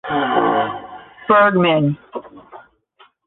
Bergmann.